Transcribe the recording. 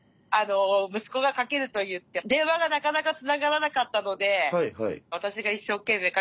息子がかけると言って電話がなかなかつながらなかったので私が一生懸命かけてました。